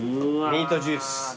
ミートジュース。